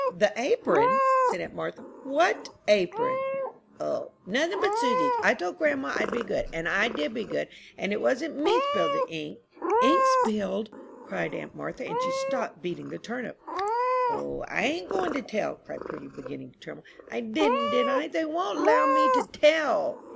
"The apron!" said aunt Martha, "what apron?" "O, nothing but Susy's. I told grandma I'd be good, and I did be good; it wasn't me spilled the ink." "Ink spilled?" cried aunt Martha, and she stopped beating the turnip. "O, I ain't goin' to tell!" cried Prudy, beginning to tremble; "I didn't, did I? they won't 'low me to tell."